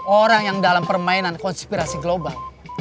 orang yang dalam permainan konspirasi global